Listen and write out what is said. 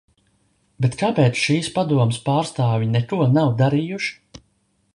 Bet kāpēc šīs padomes pārstāvji neko nav darījuši?